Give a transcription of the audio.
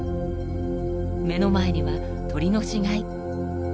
目の前には鳥の死骸。